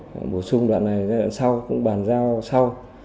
đoạn bổ sung đoạn này sau cũng bàn giao sau